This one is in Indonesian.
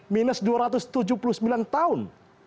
minus dua ratus tujuh puluh sembilan tahun